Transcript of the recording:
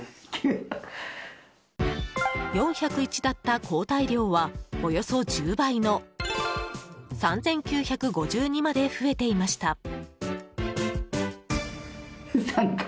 ４０１だった抗体量はおよそ１０倍の３９５２まで増えていました。